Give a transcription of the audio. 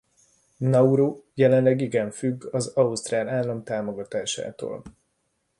Nauru jelenleg igen függ az ausztrál állam támogatásától.